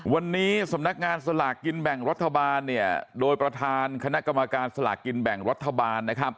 วันนี้สำนักงานสลากกินแบ่งรัฐบาลเนี่ยโดยประธานคณะกรรมการสลากกินแบ่งรัฐบาลนะครับ